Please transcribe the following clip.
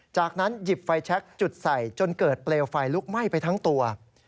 จากนั้นหยิบไฟแชคจุดใส่จนเกิดเปลวไฟลุกไหม้ไปทั้งตัว